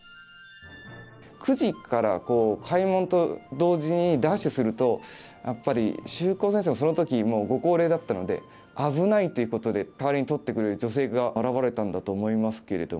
９時から開門と同時にダッシュするとやっぱり秀行先生もその時もうご高齢だったので危ないということで代わりに取ってくれる女性が現れたんだと思いますけれども。